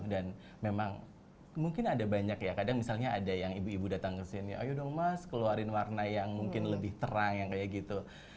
dan memang mungkin ada banyak ya kadang misalnya ada yang ibu ibu datang kesini ayo dong mas keluarin warna yang mungkin lebih terang yang kayak gitu